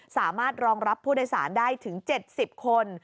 สามารถรองรับผู้โดยสารได้ถึง๗๐คน